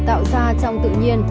tạo ra trong tự nhiên